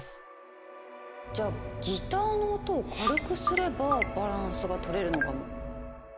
じゃあギターの音を軽くすればバランスが取れるのかも。